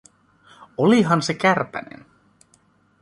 Olihan se kärpänen?